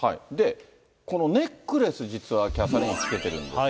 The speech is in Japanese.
このネックレス、実はキャサリン妃、つけてるんですが。